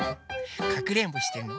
かくれんぼしてんの？